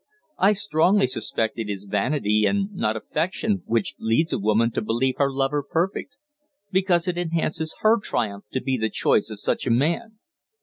I strongly suspect it is vanity, and not affection, which leads a woman to believe her lover perfect; because it enhances her triumph to be the choice of such a man."